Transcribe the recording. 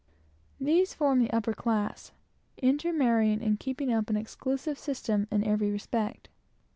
These form the aristocracy; inter marrying, and keeping up an exclusive system in every respect.